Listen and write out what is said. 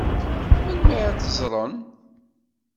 Melmi ad t-ẓṛen?